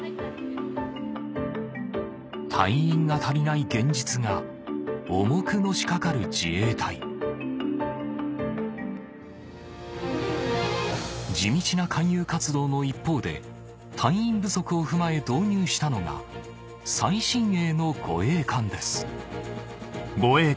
隊員が足りない現実が重くのしかかる自衛隊地道な勧誘活動の一方で隊員不足を踏まえ導入したのが最新鋭の護衛艦です